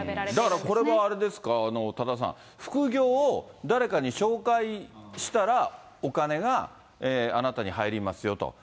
だから、これはあれですか、多田さん、副業を誰かに紹介したら、お金があなたに入りますよと。